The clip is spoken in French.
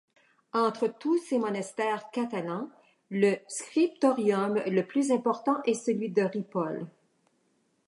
Entre tous ces monastères catalans, le scriptorium le plus important est celui de Ripoll.